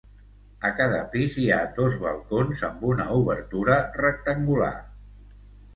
A cada pis hi ha dos balcons amb una obertura rectangular.